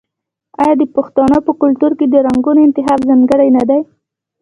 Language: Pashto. آیا د پښتنو په کلتور کې د رنګونو انتخاب ځانګړی نه دی؟